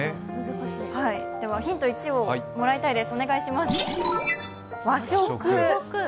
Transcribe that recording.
ではヒント１をもらいたいです。